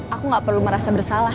aku gak perlu merasa bersalah